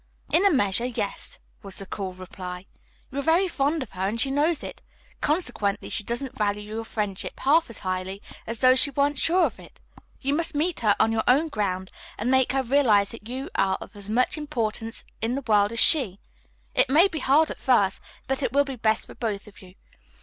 "In a measure, yes," was the cool reply. "You are very fond of her and she knows it, consequently she doesn't value your friendship half as highly as though she weren't sure of it. You must meet her on her own ground, and make her realize that you are of as much importance in the world as she. It may be hard at first, but it will be best for both of you.